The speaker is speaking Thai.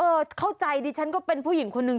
เข้าใจดิฉันก็เป็นผู้หญิงคนนึง